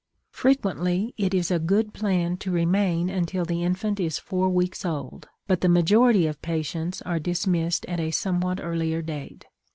Frequently, it is a good plan to remain until the infant is four weeks old, but the majority of patients are dismissed at a somewhat earlier date.